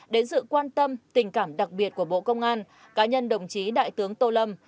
đến sự quan tâm tình cảm đặc biệt của bộ công an cá nhân đồng chí đại tướng tô lâm